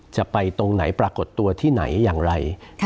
จะไปตรงไหนปรากฏตัวที่ไหนอย่างไร